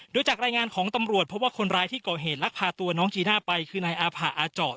โดยจากรายงานของตำรวจพบว่าคนร้ายที่ก่อเหตุลักพาตัวน้องจีน่าไปคือนายอาผะอาเจาะ